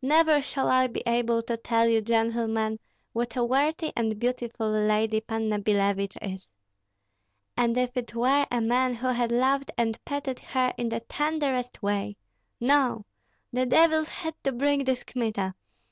Never shall I be able to tell you, gentlemen, what a worthy and beautiful lady Panna Billevich is. And if it were a man who had loved and petted her in the tenderest way No! the devils had to bring this Kmita.